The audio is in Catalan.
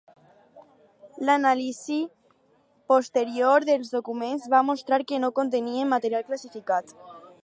L'anàlisi posterior dels documents va mostrar que no contenien material classificat.